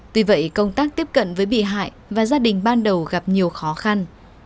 tuy vậy công tác tiếp cận với bị hại và gia đình ban đầu gặp nhiều khó khăn